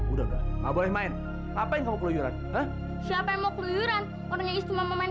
udah nggak boleh main ngapain kau pelayuran siapa yang mau pelayuran orangnya cuma mau